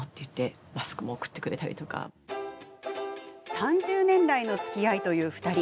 ３０年来のつきあいという２人。